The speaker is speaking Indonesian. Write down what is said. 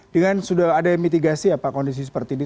dengan sudah ada mitigasi apa kondisi seperti ini